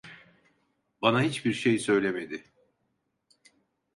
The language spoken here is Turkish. Bana hiçbir şey söylemedi.